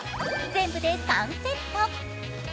全部で３セット。